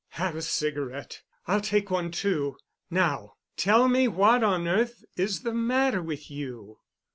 Have a cigarette—I'll take one, too. Now tell me what on earth is the matter with you."